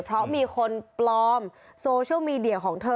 เพราะมีคนปลอมโซเชียลมีเดียของเธอ